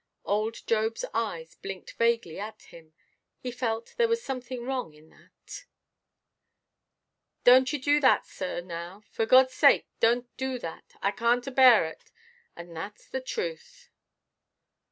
Old Jobʼs eyes blinked vaguely at him: he felt there was something wrong in that. "Donʼt ye do that, sir, now; for Godʼs sake donʼt do that. I canʼt abear it; and thatʼs the truth."